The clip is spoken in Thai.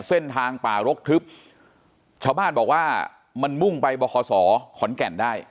เส้นทางป่ารกทึบชาวบ้านบอกว่ามันมุ่งไปบคศขอนแก่นได้